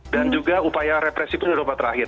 dan juga upaya represif di rumah terakhir